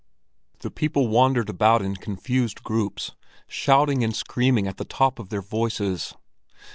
The people wandered about in confused groups, shouting and screaming at the top of their voices.